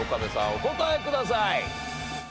お答えください。